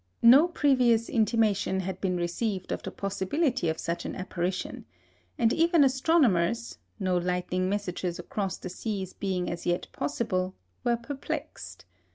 No previous intimation had been received of the possibility of such an apparition, and even astronomers no lightning messages across the seas being as yet possible were perplexed.